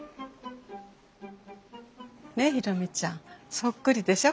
ねえ宏美ちゃんそっくりでしょ？